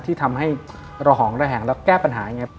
ที่ทำให้ระหองระแหงแล้วแก้ปัญหาอย่างนี้